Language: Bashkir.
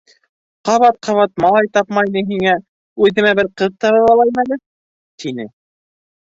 Ҡабат-ҡабат малай тапмай ни һиңә, үҙемә бер ҡыҙ табып алам әле! — тине.